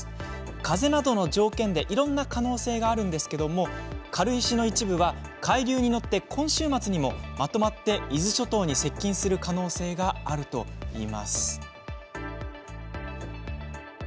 風などの条件でいろいろな可能性がありますが軽石の一部は海流に乗って今週末にも、まとまって伊豆諸島に接近する可能性があるといいます。